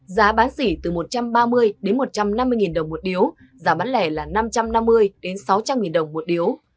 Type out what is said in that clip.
giá bán xỉ từ một trăm ba mươi đến một trăm năm mươi đồng một điếu giá bán lẻ là năm trăm năm mươi sáu trăm linh nghìn đồng một điếu